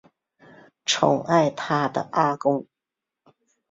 宠爱她的阿公